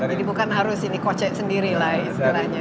jadi bukan harus ini kocek sendiri lah istilahnya